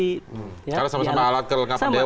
karena sama sama alat kelengkapan